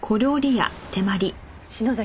篠崎